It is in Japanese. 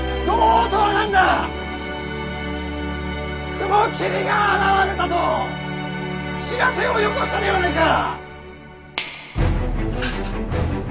雲霧が現れたと知らせをよこしたではないか！